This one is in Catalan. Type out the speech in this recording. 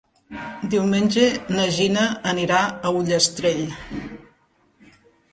Diumenge na Gina anirà a Ullastrell.